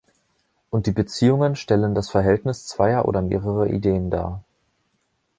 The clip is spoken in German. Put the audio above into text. Und die Beziehungen stellen das Verhältnis zweier oder mehrerer Ideen dar.